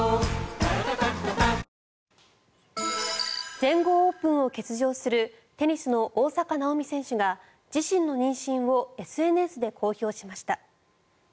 全豪オープンを欠場するテニスの大坂なおみ選手が自身の妊娠をＳＮＳで公表しました。